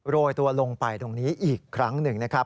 โรยตัวลงไปตรงนี้อีกครั้งหนึ่งนะครับ